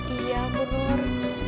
iya bu nur